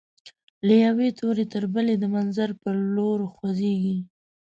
له یوې توري تر بلي د منزل پر لور خوځيږو